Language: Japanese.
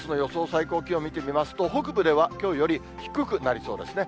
最高気温見てみますと、北部ではきょうより低くなりそうですね。